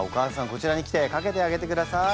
こちらに来てかけてあげてください。